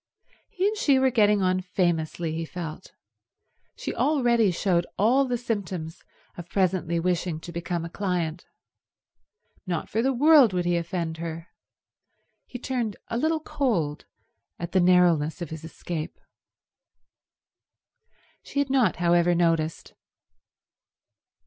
He and she were getting on famously, he felt. She already showed all the symptoms of presently wishing to become a client. Not for the world would he offend her. He turned a little cold at the narrowness of his escape. She had not, however, noticed.